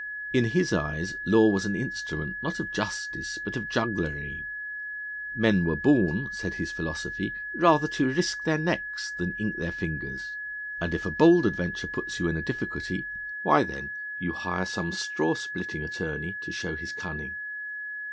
In his eyes law was an instrument, not of justice, but of jugglery. Men were born, said his philosophy, rather to risk their necks than ink their fingers; and if a bold adventure puts you in a difficulty, why, then, you hire some straw splitting attorney to show his cunning.